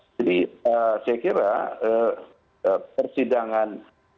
jadi saya kira persidangan